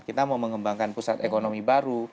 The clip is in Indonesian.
kita mau mengembangkan pusat ekonomi baru